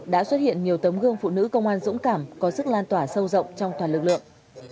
đã xuất hiện nhiều tấm gương phụ nữ công an dũng cảm có sức lan tỏa sâu rộng trong toàn lực lượng